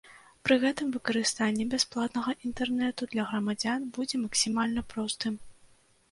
Пры гэтым выкарыстанне бясплатнага інтэрнэту для грамадзян будзе максімальна простым.